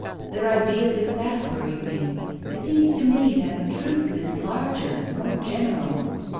Their ideas exasperate me. It seems to me that truth is larger, more general.